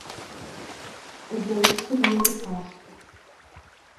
O boi sumiu no pasto